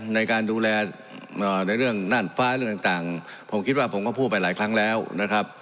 ในการดูแลในเรื่องน่านฟ้าเรื่องต่างผมคิดว่าผมก็พูดไปหลายครั้งแล้วนะครับ